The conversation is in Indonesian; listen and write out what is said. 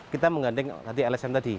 kita mengganteng hati lsm tadi